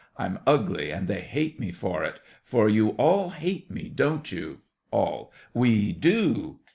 I'm ugly, and they hate me for it; for you all hate me, don't you? ALL. We do!